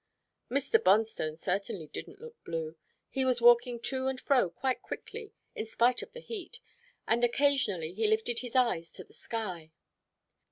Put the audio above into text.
Mr. Bonstone certainly didn't look blue. He was walking to and fro quite quickly, in spite of the heat, and occasionally he lifted his eyes to the sky.